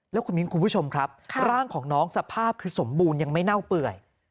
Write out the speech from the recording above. แล้วคุณมิ้นคุณผู้ชมครับร่างของน้องสภาพคือสมบูรณ์ยังไม่เน่าเปื่อย